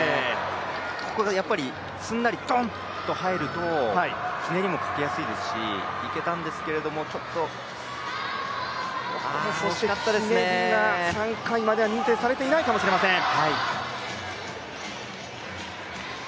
ここがやっぱりすんなりドンと入るとひねりもかけやすいですしいけたんですけれども、ちょっとひねりが３回まで認定されてないかもしれません。